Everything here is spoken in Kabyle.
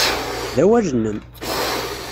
D awal-nnem!